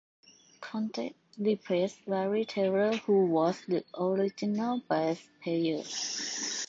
Conte replaced Larry Taylor who was the original bass player.